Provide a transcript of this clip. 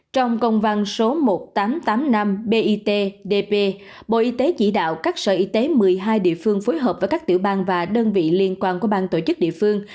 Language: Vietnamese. trong công văn số một nghìn tám trăm tám mươi năm bitdp bộ y tế chỉ đạo các sở y tế một mươi hai địa phương phối hợp với các tiểu bang và đơn vị liên quan của bang tổ chức địa phương